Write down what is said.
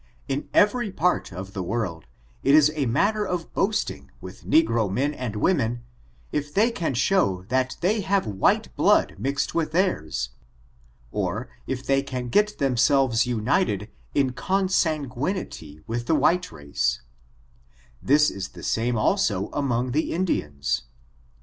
In every part of the world, it is a matter of boasting with negro men and women, if they can show that they have white blood mixed with theirs ; or if they can get themselves united in consanguinity with the white race ; this is the same also among the Indians.